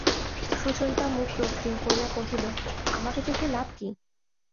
সুচরিতা মুখ রক্তিম করিয়া কহিল, আমাকে দেখে লাভ কী?